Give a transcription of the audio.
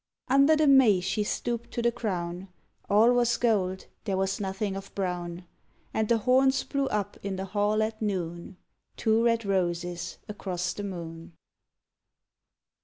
_ Under the may she stoop'd to the crown, All was gold, there was nothing of brown; And the horns blew up in the hall at noon, _Two red roses across the moon.